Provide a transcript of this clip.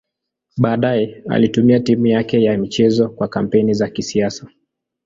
Baadaye alitumia timu yake ya michezo kwa kampeni za kisiasa.